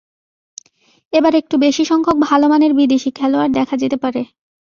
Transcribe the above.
এবার একটু বেশি সংখ্যক ভালো মানের বিদেশি খেলোয়াড় দেখা যেতে পারে।